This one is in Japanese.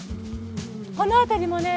この辺りもね